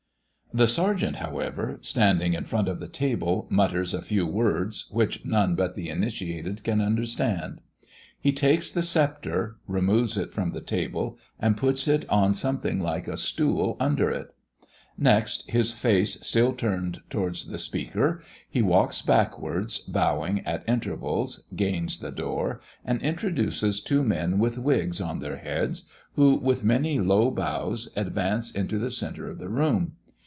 The Sergeant, however, standing in front of the table, mutters a few words, which none but the initiated can understand. He takes the sceptre, removes it from the table, and puts it on something like a stool under it. Next, his face still turned towards the Speaker, he walks backwards, bowing at intervals, gains the door, and introduces two men with wigs on their heads, who, with many low bows, advance into the centre of the room.